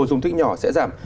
dùng thích nhỏ sẽ giảm